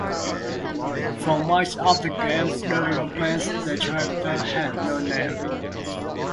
For much of the game's development, the character had no name.